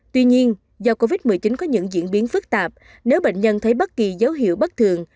tuy nhiên do covid một mươi chín có những diễn biến phức tạp nếu bệnh nhân thấy bất kỳ dấu hiệu bất thường